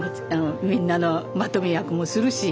みんなのまとめ役もするし。